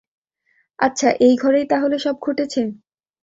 আচ্ছা, এই ঘরেই তাহলে সব ঘটেছে।